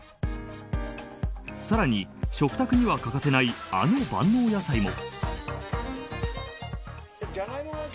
さらに食卓には欠かせないあの万能野菜も。